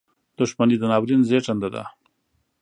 • دښمني د ناورین زیږنده ده.